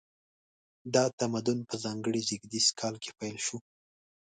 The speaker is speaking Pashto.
دا تمدن په ځانګړي زیږدیز کال کې پیل شو.